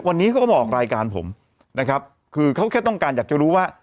วันนี้เขาก็มาออกรายการผมนะครับคือเขาแค่ต้องการอยากจะรู้ว่า